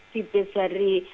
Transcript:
di base dari